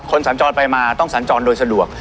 สัญจรไปมาต้องสัญจรโดยสะดวก